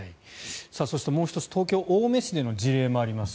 そしてもう１つ東京・青梅市での事例もあります。